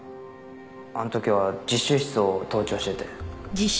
あの時は実習室を盗聴してて。